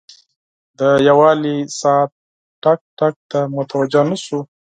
د دیوالي ساعت ټک، ټک ته متوجه نه شو.